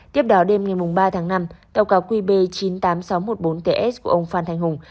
tiếp đó đêm ngày ba tháng năm tàu cá qb chín mươi tám nghìn sáu trăm một mươi bốn ts của ông phan thanh hùng